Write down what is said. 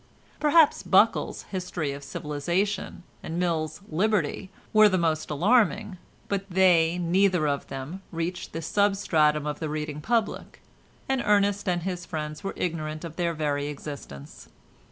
Perhaps Buckle's "History of Civilisation" and Mill's "Liberty" were the most alarming, but they neither of them reached the substratum of the reading public, and Ernest and his friends were ignorant of their very existence.